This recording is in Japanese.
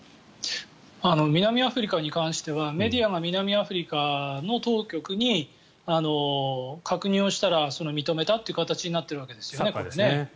南アフリカに関してはメディアが南アフリカの当局に確認をしたら認めたという形になっているわけですよね。